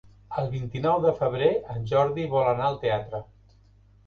El vint-i-nou de febrer en Jordi vol anar al teatre.